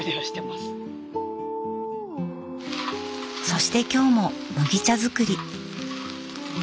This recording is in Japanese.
そして今日も麦茶作り。